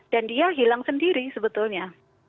dan dia hilang sendiri sebetulnya